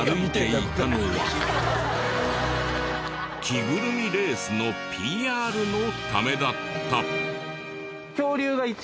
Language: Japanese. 着ぐるみレースのＰＲのためだった。